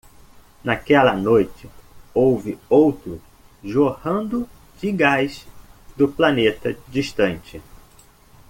Naquela noite, houve outro jorrando de gás do planeta distante.